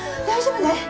大丈夫ね？